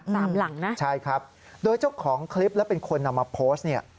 หลังนะใช่ครับโดยเจ้าของคลิปและเป็นคนนำมาโพสต์เนี่ย